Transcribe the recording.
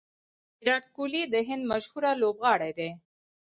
ویرات کهولي د هند مشهوره لوبغاړی دئ.